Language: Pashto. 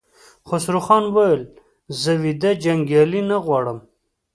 خسروخان وويل: زه ويده جنګيالي نه غواړم!